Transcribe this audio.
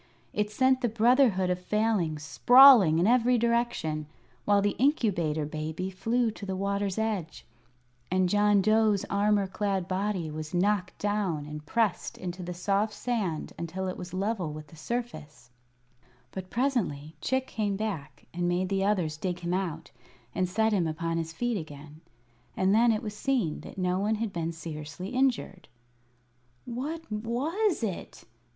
It sent the Brotherhood of Failings sprawling in every direction, while the Incubator Baby flew to the water's edge, and John Dough's armor clad body was knocked down and pressed into the soft sand until it was level with the surface. But presently Chick came back and made the others dig him out and set him upon his feet again, and then it was seen that no one had been seriously injured. "What was it?"